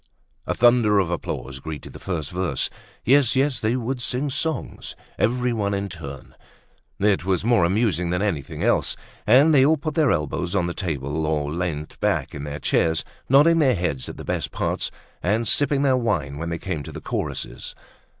A thunder of applause greeted the first verse. Yes, yes, they would sing songs! Everyone in turn. It was more amusing than anything else. And they all put their elbows on the table or leant back in their chairs, nodding their heads at the best parts and sipping their wine when they came to the choruses.